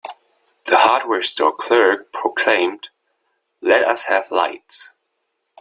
The hardware store clerk proclaimed, "Let us have lights!"